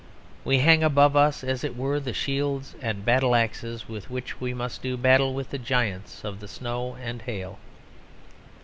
We hang above us, as it were, the shields and battle axes with which we must do battle with the giants of the snow and hail.